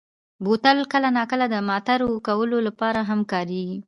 بوتل کله ناکله د معطر کولو لپاره هم کارېږي.